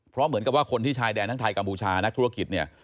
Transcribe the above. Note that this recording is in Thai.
เพราะเหมือนกับว่าคนที่ชายแดนทั้งไทยกัมพูชานักธุรกิจเนี่ย